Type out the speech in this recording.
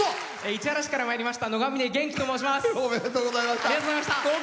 市原市からまいりましたのがみねと申します。